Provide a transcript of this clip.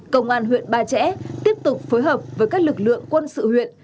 công an huyện ba trẻ tiếp tục phối hợp với các lực lượng quân sự huyện